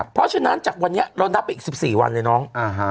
เพราะฉะนั้นจากวันนี้เรานับไปอีก๑๔วันเลยน้อง